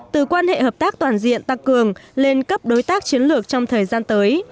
từ quan hệ hợp tác toàn diện tăng cường lên cấp đối tác chiến lược trong thời gian tới